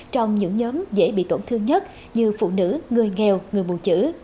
trong những nhóm dễ bị tổn thương nhất như phụ nữ người nghèo người mù chữ